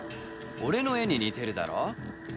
俺の絵に似てるだろ？